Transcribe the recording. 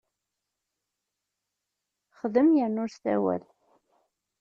Xdem yerna ur ssawal!